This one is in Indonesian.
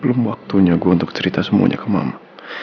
belum waktunya gue untuk cerita semuanya ke mama